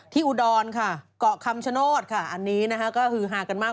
อุดรค่ะเกาะคำชโนธค่ะอันนี้นะคะก็คือฮากันมาก